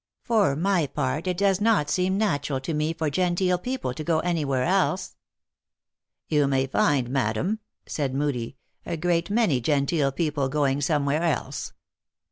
For my part it does not seem natural to me for genteel people to go any where else." " You may find, madam," said Moodie, " a great many genteel people going some where else.